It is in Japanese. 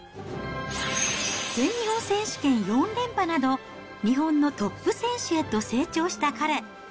全日本選手権４連覇など、日本のトップ選手へと成長した彼。